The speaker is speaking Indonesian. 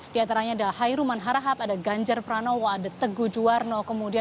di antaranya ada hairuman harahap ada ganjar pranowo ada teguh juwarno